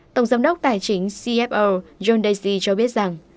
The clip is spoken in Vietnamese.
tổng giám đốc tài chính cfo john daisy cho biết rằng